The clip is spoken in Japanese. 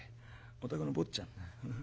お宅の坊ちゃん。